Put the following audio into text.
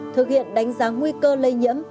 thực hiện đánh giá nguy cơ lây nhiễm